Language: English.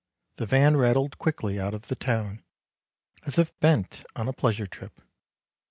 The van rattled quickly out of the town, as if bent on a pleasure trip.